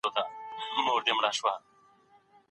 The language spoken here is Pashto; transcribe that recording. اسلام د هر ډول ټولنیز فساد او اخلاقي بدبختۍ سخت دښمن دی.